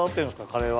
カレーは。